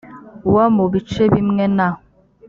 wa mu bice bimwe na